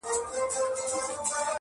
د دې پردیو له چیناره سره نه جوړیږي -